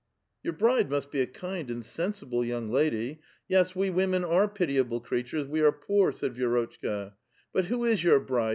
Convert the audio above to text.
" Your bride must be a kind and sensible .young lady ; yes, we women are pitiable creatures, we are poor," said Vi^ rotchka ;" but who is your bride?